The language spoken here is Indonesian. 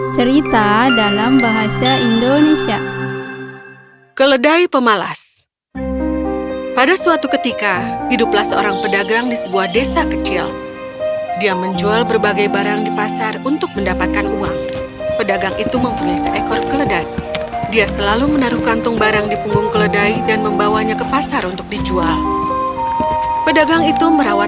cerita dalam bahasa indonesia